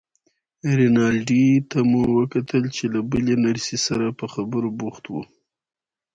رینالډي ته مو وکتل چې له بلې نرسې سره په خبرو بوخت و.